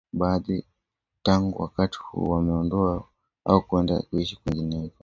Baadhi tangu wakati huo wameondoka au kwenda kuishi kwingineko